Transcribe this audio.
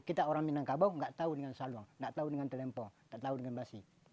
kita orang minangkabau tidak tahu dengan saluang tidak tahu dengan telempo tidak tahu dengan basi